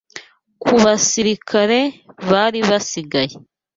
ku basirikare bari basigaye